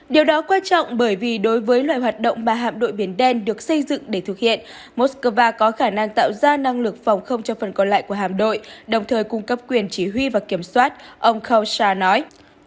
điều đó quan trọng bởi vì đối với loài hoạt động bà hạm đội biển đen được xây dựng để thực hiện moscow có khả năng tạo ra năng lực phòng không cho phần còn lại của hạm đội đồng thời cung cấp quyền chỉ huy và kiểm soát ông kosha nói